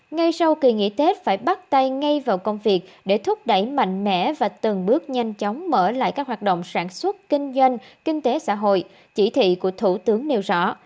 ngay sau kỳ nghỉ tết phải bắt tay ngay vào công việc để thúc đẩy mạnh mẽ và từng bước nhanh chóng mở lại các hoạt động sản xuất kinh doanh kinh tế xã hội chỉ thị của thủ tướng nêu rõ